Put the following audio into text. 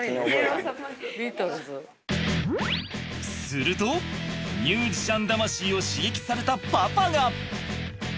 するとミュージシャン魂を刺激されたパパが。